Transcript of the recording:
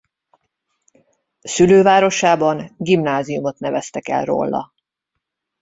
Szülővárosában gimnáziumot neveztek el róla.